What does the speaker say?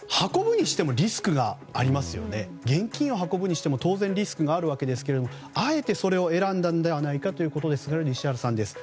でも、現金を運ぶにしても当然リスクがあるわけですがあえて、それを選んだのではないかという石原さんです。